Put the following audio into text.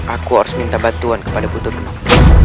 aku harus minta bantuan kepada putri nung